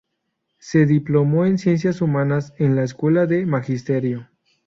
Se diplomó en Ciencias Humanas en la Escuela de Magisterio.